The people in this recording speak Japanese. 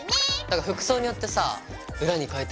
服装によってさ裏に替えても。